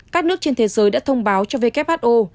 các nước trên thế giới đã thông báo cho who